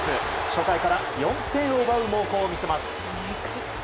初回から４点を奪う猛攻を見せます。